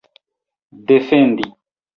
defendi